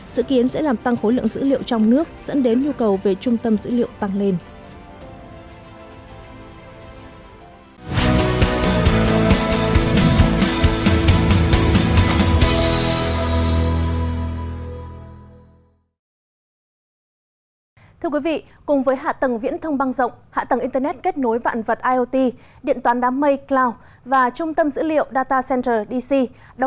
dự kiến sẽ làm tăng khối lượng dữ liệu trong nước dẫn đến nhu cầu về trung tâm dữ liệu tăng lên